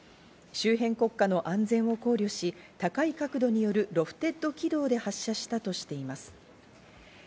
周辺国家の安全を考慮し、高い角度によるロフテッド軌道で発射したとしています。